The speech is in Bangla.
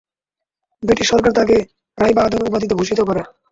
ব্রিটিশ সরকার তাঁকে "রায়বাহাদুর" উপাধিতে ভূষিত করে।